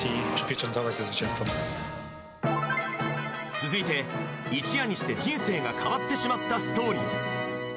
続いて、一夜にして人生が変わってしまったストーリーズ。